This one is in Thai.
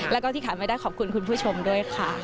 แล้วก็ที่ขาดไม่ได้ขอบคุณคุณผู้ชมด้วยค่ะ